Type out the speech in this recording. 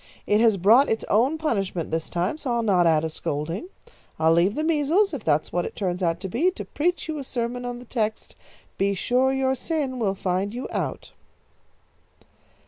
"It has brought its own punishment this time, so I'll not add a scolding. I'll leave the measles, if that's what it turns out to be, to preach you a sermon on the text, 'Be sure your sin will find you out.'"